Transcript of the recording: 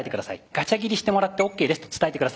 「ガチャ切りしてもらってＯＫです」と伝えて下さい。